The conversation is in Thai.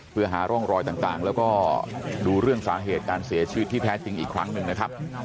เพื่อหาร่องรอยต่างแล้วก็ดูเรื่องสาเหตุการเสียชีวิตที่แท้จริงอีกครั้งหนึ่งนะครับ